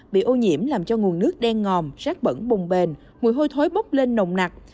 bị ô nhiễm làm cho nguồn nước đen ngòm rác bẩn bồng bền mùi hôi thối bốc lên nồng nặt